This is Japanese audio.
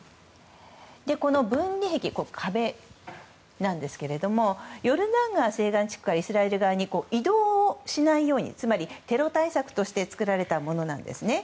分離壁、壁なんですけれどもヨルダン川西岸地区からイスラエル側に移動をしないようにつまり、テロ対策として作られたものなんですね。